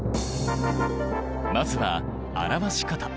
まずは表し方。